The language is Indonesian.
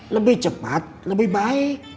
lebih cepat lebih baik